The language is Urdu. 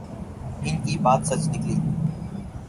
ان کی بات سچ نکلی۔